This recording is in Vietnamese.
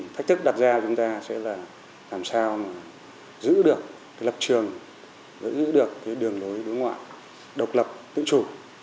thách thức đặt ra cho chúng ta sẽ là làm sao giữ được lập trường giữ được đường lối đối ngoại độc lập tự chủ